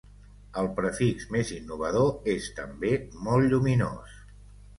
El prefix més innovador és, també, molt lluminós.